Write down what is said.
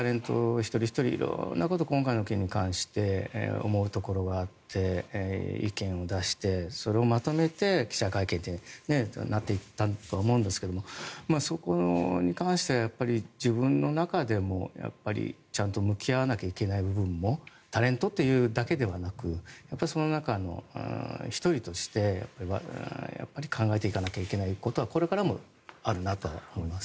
一人ひとり色んなこと、今回の件に関して思うところがあって意見を出してそれをまとめて記者会見ってなっていったと思うんですがそこに関しては自分の中でもちゃんと向き合わなきゃいけない部分もタレントというだけではなくその中の１人として考えていかなきゃいけないことはこれからもあるなとは思います。